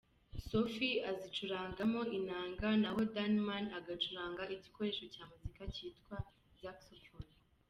Sophie azicurangamo inanga naho Danneman agacuranga igikoresho cya muzika cyitwa Saxophone.